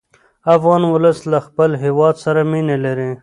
افغان ولس له خپل هېواد سره مینه لري.